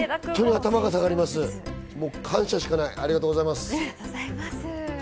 頭が下がります、感謝しかない、ありがとうございます。